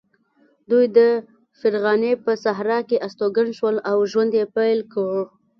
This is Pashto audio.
دوی د فرغانې په صحرا کې استوګن شول او ژوند یې پیل کړ.